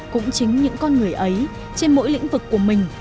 cũng chính những con người ấy trên mỗi lĩnh vực của mình